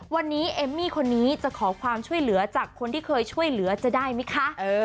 วันนี้เอมมี่คนนี้จะขอความช่วยเหลือจากคนที่เคยช่วยเหลือจะได้ไหมคะ